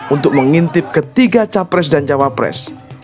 untuk mengintip ketiga capres dan cawapres